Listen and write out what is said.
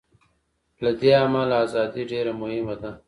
له دې امله ازادي ډېره مهمه ده.